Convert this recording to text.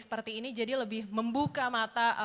seperti ini jadi lebih membuka mata